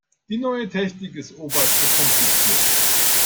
Die neue Technik ist Opa zu kompliziert.